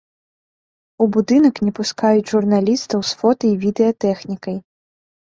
У будынак не пускаюць журналістаў з фота і відэатэхнікай.